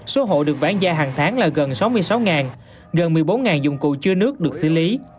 số hộ được bán ra hàng tháng là gần sáu mươi sáu gần một mươi bốn dụng cụ chứa nước được xử lý